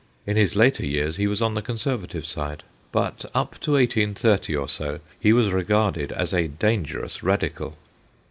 In his later years he was on the Conservative side. But up to 1830 or so he was regarded as a dangerous Radical.